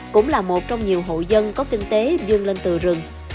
cũng là một trong nhiều hộ dân có kinh tế dương lên từ rừng